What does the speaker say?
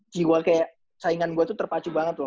jiwa kayak saingan gue tuh terpacu banget loh